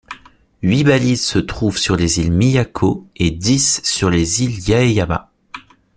Huit balises se trouvent sur les îles Miyako et dix sur les îles Yaeyama.